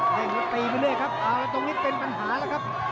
ตีไปด้วยครับเอาละตรงนี้เป็นปัญหาแล้วครับ